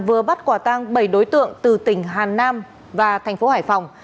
vừa bắt quả tang bảy đối tượng từ tỉnh hàn nam và thành phố hải phòng